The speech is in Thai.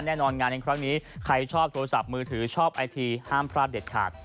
แน่นอนงานในครั้งนี้ใครชอบโทรศัพท์มือถือชอบไอทีห้ามพลาดเด็ดขาด